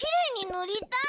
ぬりたい！